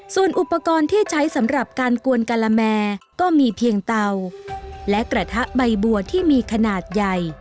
ส่วนอุปกรณ์ที่ใช้สำหรับการกวนกะละแมก็มีเพียงเตาและกระทะใบบัวที่มีขนาดใหญ่